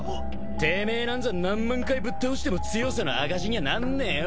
てめえなんざ何万回ぶっ倒しても強さの証しにはなんねえよ。